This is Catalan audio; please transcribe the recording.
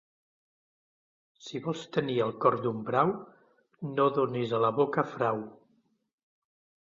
Si vols tenir el cor d'un brau, no donis a la boca frau.